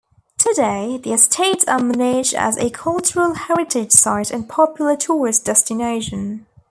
Today the estates are managed as a cultural heritage site and popular tourist destination.